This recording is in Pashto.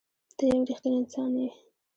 ته یو رښتنی انسان یې.